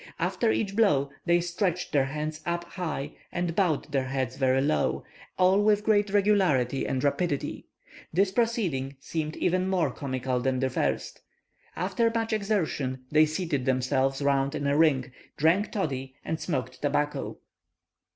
After each blow, they stretched their hands up high and bowed their heads very low, all with great regularity and rapidity. This proceeding seemed even more comical than the first. After much exertion, they seated themselves round in a ring, drank toddy, and smoked tobacco.